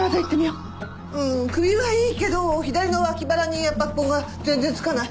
うーん首はいいけど左の脇腹に圧迫痕が全然付かない。